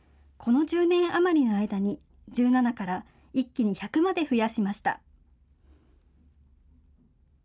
この１０年余りの間に１７から一気に１００まで増やしました。